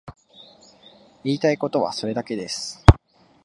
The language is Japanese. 言いたいことはそれだけです。